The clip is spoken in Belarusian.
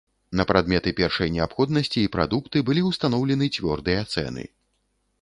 На прадметы першай неабходнасці і прадукты былі ўстаноўлены цвёрдыя цэны.